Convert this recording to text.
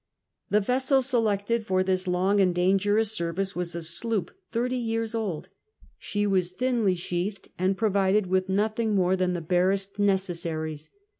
The vessel selected for this long and dangerous service was a sloop, thirty years old. She wns thinly sheathed, and provided Avith nothing more than the barest necessaries.